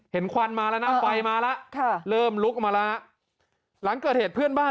ควันมาแล้วนะไฟมาแล้วค่ะเริ่มลุกมาแล้วหลังเกิดเหตุเพื่อนบ้าน